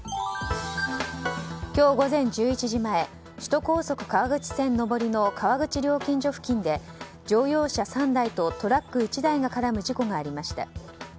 今日午前１１時前首都高速川口線上りの川口料金所付近で乗用車３台とトラック１台が絡む事故がありました。